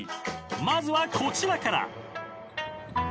［まずはこちらから！］